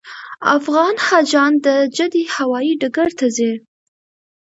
افغان حاجیان د جدې هوایي ډګر ته ځي.